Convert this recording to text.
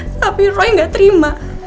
tapi roy gak terima